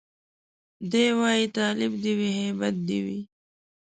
دی وايي تالب دي وي هيبت دي وي